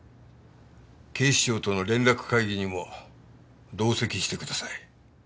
警視庁との連絡会議にも同席してください。